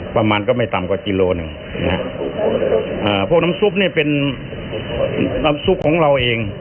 ประมาณก็ไม่ต่ำกว่ากิโลหนึ่งนะฮะอ่าพวกน้ำซุปเนี่ยเป็นน้ำซุปของเราเอง